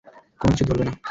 কোনো কিছু ধরবে না!